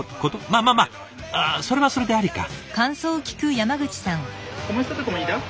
まあまあまあそれはそれでありか。